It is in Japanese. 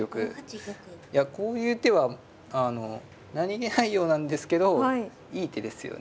こういう手はあの何気ないようなんですけどいい手ですよね。